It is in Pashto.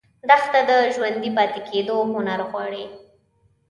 دښته د ژوندي پاتې کېدو هنر غواړي.